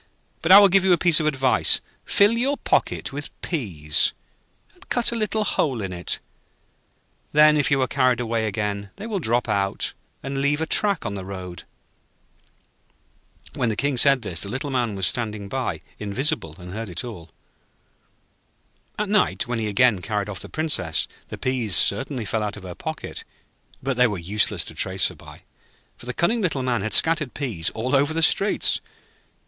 'But I will give you a piece of advice. Fill your pocket with peas, and cut a little hole in it, then if you are carried away again, they will drop out and leave a track on the road.' When the King said this, the Little Man was standing by, invisible, and heard it all. At night, when he again carried off the Princess, the peas certainly fell out of her pocket, but they were useless to trace her by, for the cunning Little Man had scattered peas all over the streets.